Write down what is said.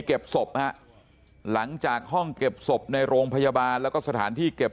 เก็บศพฮะหลังจากห้องเก็บศพในโรงพยาบาลแล้วก็สถานที่เก็บ